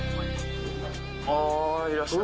あいらっしゃる。